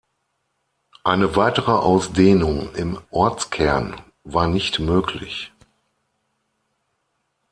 Eine weitere Ausdehnung im Ortskern war nicht möglich.